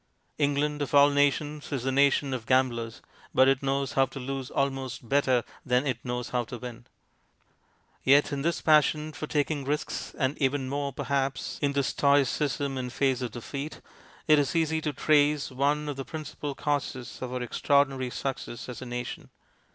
England, of all nations, is the nation of gamblers, but it knows how to lose almost better than it knows how to win. Yet in this passion for taking risks, and even more perhaps in this stoicism in face of defeat, it is easy to trace one of the principal causes of our extraordinary success as a nation.